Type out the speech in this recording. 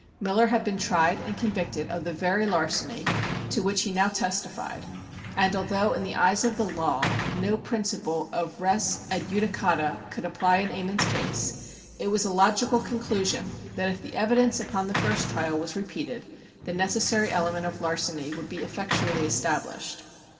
Miller had been tried and convicted of the very larceny to which he now testified, and, although in the eyes of the law no principle of res adjudicata could apply in Ammon's case, it was a logical conclusion that if the evidence upon the first trial was repeated, the necessary element of larceny would be effectually established.